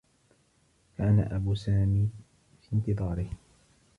كان أب سامي في انتظاره.